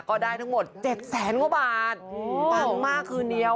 ก็ได้ทั้งหมด๗๐๐๐๐๐บาทภังมากคือเดียว